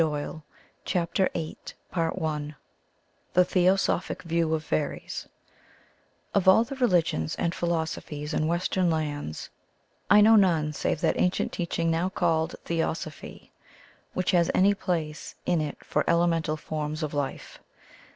170 CHAPTER VIII THE THEOSOPHIC VIEW OF FADRIES Of all religions and pMlosopliies in West ern lands I know none save that ancient teaching now called Theosophy which has any place in it for elemental forms of life.